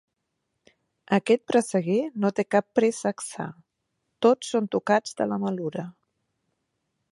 Aquest presseguer no té cap préssec sa: tots són tocats de la malura.